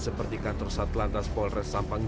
seperti kantor satlantas polres sampang